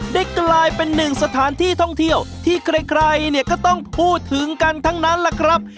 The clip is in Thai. ได้กลายเป็นหนึ่งสถานที่ท่องเที่ยวที่ใครเนี่ยก็ต้องพูดถึงกันทั้งนั้นล่ะครับ